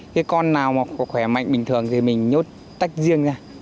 cái con nào mà có khỏe mạnh bình thường thì mình nhốt tách riêng ra